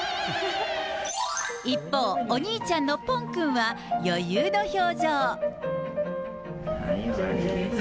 一方、お兄ちゃんのぽんくんは余裕の表情。